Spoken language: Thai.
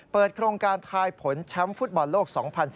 เปิดโครงการทายผลชั้มฟุตบอลโลก๒๐๑๘